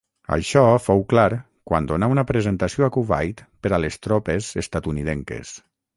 Això fou clar quan donà una presentació a Kuwait per a les tropes estatunidenques.